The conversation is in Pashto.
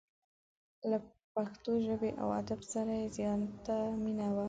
له پښتو ژبې او ادب سره یې زیاته مینه وه.